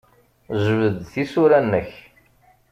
Jbed-d tisura-nnek.